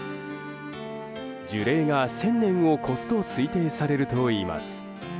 樹齢が１０００年を超すと推定されるといいます。